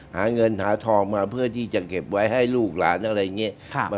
หาเงินหาทองมาเพื่อที่จะเก็บไว้ให้ลูกหลานอะไรอย่างนี้